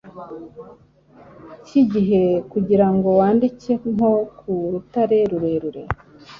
cyigihe kugirango wandike nko ku rutare rurerure